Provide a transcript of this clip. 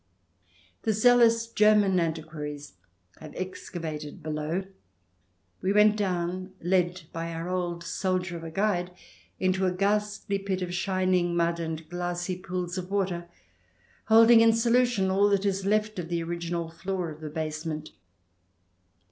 The zealous Ger man antiquaries have excavated below. We went down, led by our old soldier of a guide, into a ghastly pit of shining mud and glassy pools of water, holding in solution all that is left of the original floor of the basement.